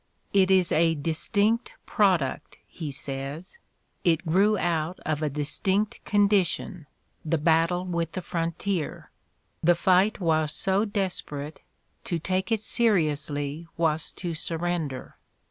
"It is a distinct product, '' he says. '' It grew out of a distinct condi tion — the battle with the frontier. The fight was so desperate, to take it seriously was to surrender.